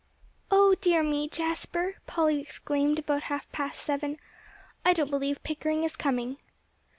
"Oh dear me! Jasper," Polly exclaimed about half past seven, "I don't believe Pickering is coming."